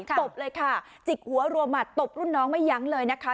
ตบเลยค่ะจิกหัวรัวหมัดตบรุ่นน้องไม่ยั้งเลยนะคะ